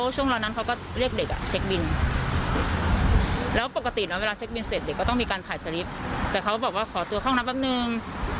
แต่เขาก็บอกว่าขอตัวข้องนับแบบนึง